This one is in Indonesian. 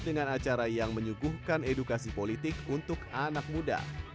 dengan acara yang menyuguhkan edukasi politik untuk anak muda